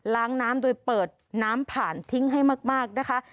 ล้างน้ำโดยเปิดน้ำผ่านทิ้งให้มากนะคะ